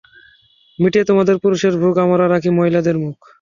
মিটিয়ে তোমাদের পুরুষের ভোগ আমরা রাখি মহিলাদের মুখ।